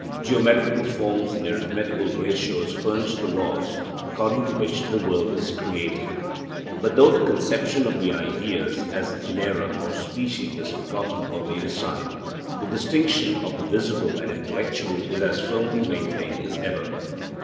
Geometrical forms and arithmetical ratios furnish the laws according to which the world is created. But though the conception of the ideas as genera or species is forgotten or laid aside, the distinction of the visible and intellectual is as firmly maintained as ever.